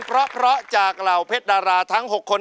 เพราะจากเหล่าเพชรดาราทั้ง๖คน